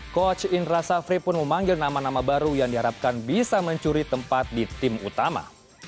coach indra safri pun memanggil nama nama baru yang diharapkan bisa mencuri tempat di tim utama